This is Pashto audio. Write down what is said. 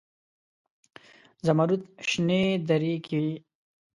زمرودو شنې درې کې